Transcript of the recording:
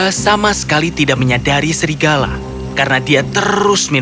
domba sama sekali jangan menyadari serigala karena dia terus minum air